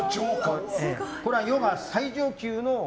これはヨガ最上級の。